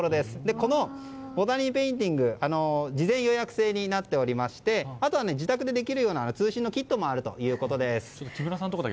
このボタニーペインティング事前予約制になっておりましてあとは、自宅でできるような通信のキットも木村さんのところだけ